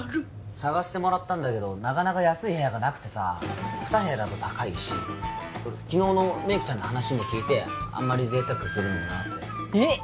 探してもらったんだけどなかなか安い部屋がなくてさ２部屋だと高いし昨日のめいくちゃんの話も聞いてあんまり贅沢するのもなってえっ